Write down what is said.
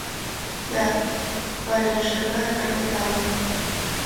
– Да, – важно шагая, бормотал он.